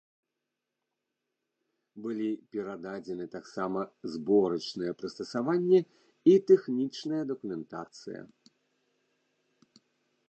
Былі перададзены таксама зборачныя прыстасаванні і тэхнічная дакументацыя.